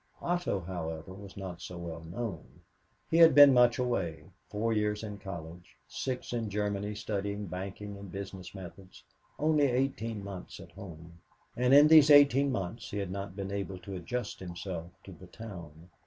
Otto, however, was not so well known. He had been much away four years in college, six in Germany studying banking and business methods, only eighteen months at home, and in these eighteen months he had not been able to adjust himself to the town.